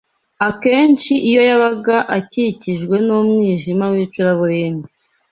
akenshi iyo yabaga akikijwe n’umwijima w’icuraburindi